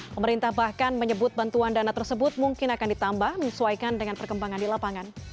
pemerintah bahkan menyebut bantuan dana tersebut mungkin akan ditambah menyesuaikan dengan perkembangan di lapangan